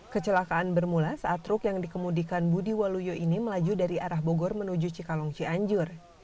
kecelakaan bermula saat truk yang dikemudikan budi waluyo ini melaju dari arah bogor menuju cikalong cianjur